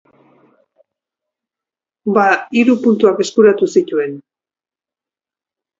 Bada, hiru puntuak eskuratu zituen.